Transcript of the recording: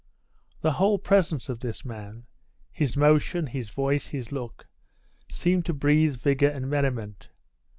The whole presence of this man his motion, his voice, his look seemed to breathe vigour and merriment.